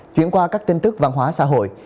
chuyển qua các tin tức văn hóa xã hội